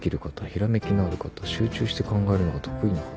「ひらめきのある方」「集中して考えるのが得意な方」